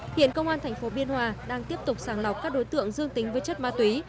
hiện công an thành phố biên hòa đang tiếp tục sàng lọc các đối tượng dương tính với chất ma túy